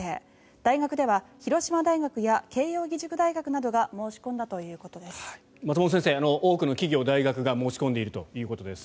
大学では広島大学や慶応義塾大学などが申し込んだということです。